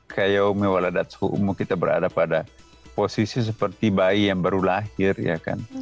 kalau mewaladat suhumu kita berada pada posisi seperti bayi yang baru lahir ya kan